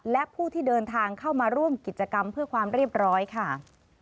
และผู้ที่เดินทางเข้ามาร่วมกิจกรรมเพื่อความเรียบร้อยค่ะ